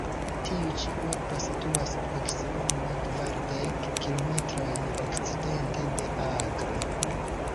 Tiu ĉi urbo situas proksimume kvardek kilometrojn okcidente de Agra.